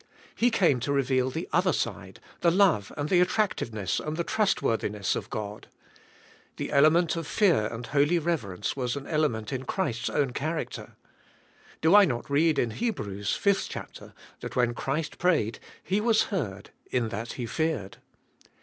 He came to reveal the other side, the love and the attractiveness and the trust worthiness of God. The element of fear and holy reverence was an element in Christ's own character. Do not I read in Hebrews, the fifth chapter, that when Christ prayed He washeardin that He feared.